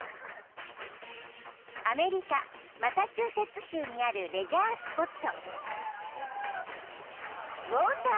［アメリカマサチューセッツ州にあるレジャースポット］